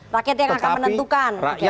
rakyat yang akan menentukan